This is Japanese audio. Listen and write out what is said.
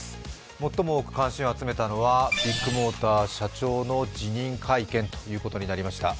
最も多く関心を集めたのはビッグモーター社長の辞任会見ということになりました。